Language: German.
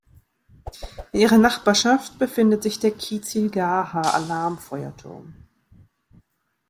In ihrer Nachbarschaft befindet sich der Kizilgaha-Alarmfeuerturm.